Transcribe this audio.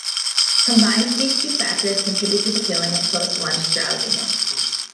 Combined, these two factors contribute to the feeling of post-lunch drowsiness.